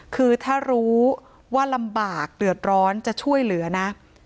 คือถ้ารู้ว่าลำบากเดือดร้อนจะช่วยเหลือนะ